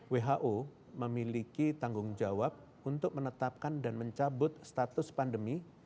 who memiliki tanggung jawab untuk menetapkan dan mencabut status pandemi